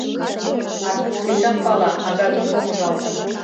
Аркуш пешак пала: Агавий помыжалтын.